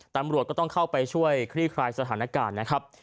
ตำรวจก็ต้องเข้าไปช่วยคลี่คลายสถานการณ์นะครับ